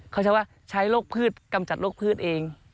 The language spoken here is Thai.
เขาใช้ว่าใช้โรคพืชกำจัดโรคพืชเอง